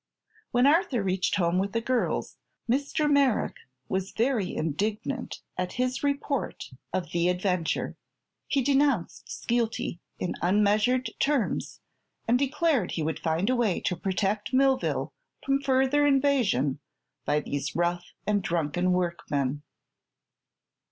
When Arthur reached home with the girls, Mr. Merrick was very indignant at his report of the adventure. He denounced Skeelty in unmeasured terms and declared he would find a way to protect Millville from further invasion by these rough and drunken workmen.